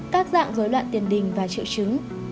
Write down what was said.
các dạng dối loạn tiền đình và trự trứng